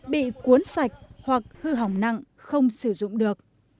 bị cuốn sạch hoặc hư hỏng nặng không sử dụng được